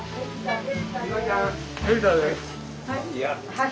はい。